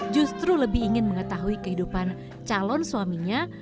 justru lebih ingin mengetahui kehidupan calon suaminya